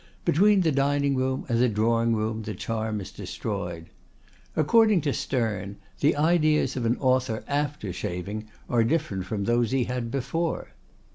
Between the dining room and the drawing room the charm is destroyed. According to Sterne, the ideas of an author after shaving are different from those he had before.